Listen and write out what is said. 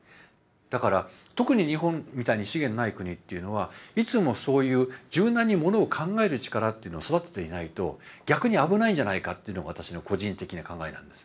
だから特に日本みたいに資源のない国っていうのはいつもそういう柔軟にものを考える力っていうのを育てていないと逆に危ないんじゃないかっていうのが私の個人的な考えなんです。